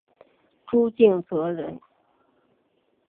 朱敬则人。